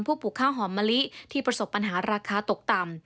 ปลูกข้าวหอมมะลิที่ประสบปัญหาราคาตกต่ำ